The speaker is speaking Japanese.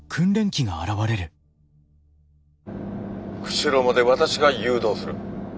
釧路まで私が誘導する。